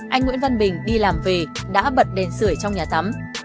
anh nguyễn văn bình đi làm về đã bật đèn sửa trong nhà tắm